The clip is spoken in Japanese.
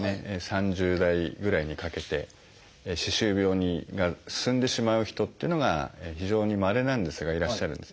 ３０代ぐらいにかけて歯周病が進んでしまう人っていうのが非常にまれなんですがいらっしゃるんですね。